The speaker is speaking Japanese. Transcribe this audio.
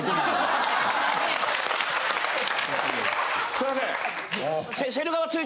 すいません！